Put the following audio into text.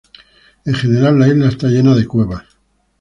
En general la isla está llena de cuevas.